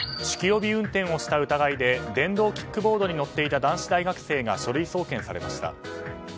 酒気帯び運転をした疑いで電動キックボードに乗っていた男子大学生が書類送検されました。